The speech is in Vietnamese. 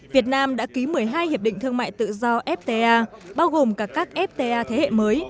việt nam đã ký một mươi hai hiệp định thương mại tự do fta bao gồm cả các fta thế hệ mới